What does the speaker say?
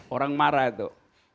orang marah tuh